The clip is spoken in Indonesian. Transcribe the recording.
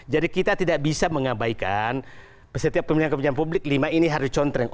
kita tidak bisa mengabaikan setiap pemilihan kebijakan publik lima ini harus dicontreng